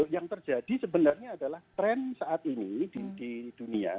yang terjadi sebenarnya adalah tren saat ini di dunia